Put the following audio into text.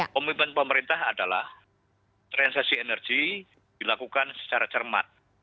komitmen pemerintah adalah transaksi energi dilakukan secara cermat